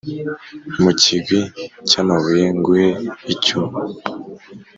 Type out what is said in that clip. mu kigwi cy’amabuye, nguhe icyuma.